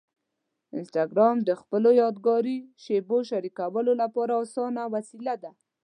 انسټاګرام د خپلو یادګاري شېبو شریکولو لپاره اسانه وسیله ده.